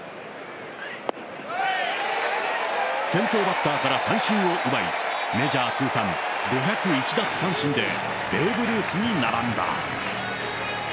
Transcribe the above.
先頭バッターから三振を奪い、メジャー通算５０１奪三振で、ベーブ・ルースに並んだ。